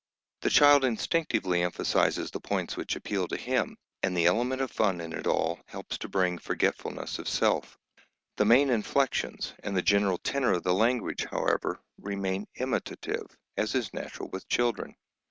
The child instinctively emphasises the points which appeal to him, and the element of fun in it all helps to bring forgetfulness of self. The main inflections and the general tenor of the language, however, remain imitative, as is natural with children.